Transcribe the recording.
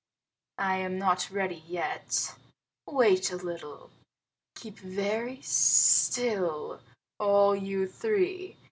I am not ready yet. Wait a little. Keep very still, all you three!